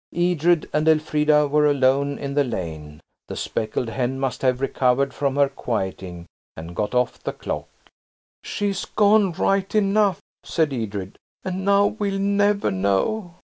Edred and Elfrida were alone in the lane. The speckled hen must have recovered from her "quieting," and got off the clock. "She's gone right enough," said Edred, "and now we'll never know.